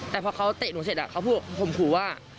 แต่พอเขาเตะหนูเสร็จเขาพูดข่มขู่ว่า